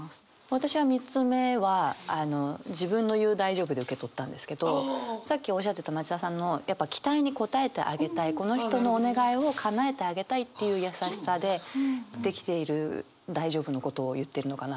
私は３つ目は自分の言う「大丈夫」で受け取ったんですけどさっきおっしゃってた町田さんのやっぱ期待に応えてあげたいこの人のお願いをかなえてあげたいっていう優しさで出来ている大丈夫のことを言ってるのかなと思って。